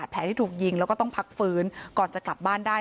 แผลที่ถูกยิงแล้วก็ต้องพักฟื้นก่อนจะกลับบ้านได้